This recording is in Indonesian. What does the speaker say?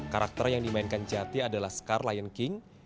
karakter yang dimainkan jati adalah scar lion king